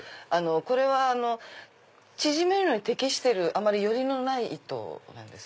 これは縮めるのに適してるあまりよりのない糸なんです。